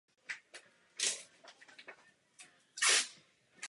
Vietnamská pobřežní stráž navíc provozuje dalších pět hlídkových lodí této třídy.